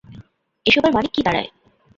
এসবের মানে কী দাঁড়ায়?